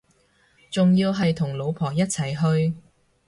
仲要係同老婆一齊去